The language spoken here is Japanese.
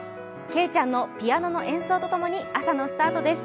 けいちゃんのピアノの演奏と共に朝のスタートです。